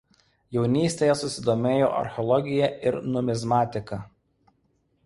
Jaunystėje susidomėjo archeologija ir numizmatika.